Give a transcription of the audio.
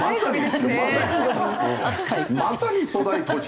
まさに粗大土地。